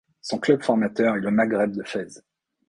Son club formateur est le Maghreb de Fès.